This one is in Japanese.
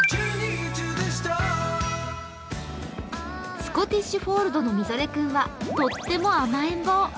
スコティッシュフォールドのみぞれ君はとっても甘えん坊。